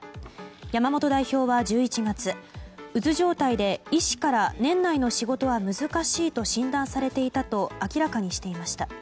山本代表は１１月うつ状態で医師から年内の仕事は難しいと診断されていたと明らかにしていました。